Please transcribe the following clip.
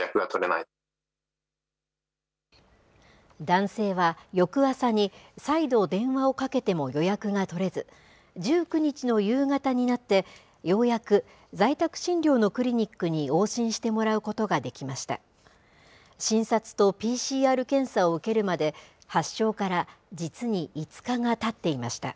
男性は、翌朝に再度、電話をかけても予約が取れず、１９日の夕方になって、ようやく在宅診療のクリニックに往診してもらうことができました。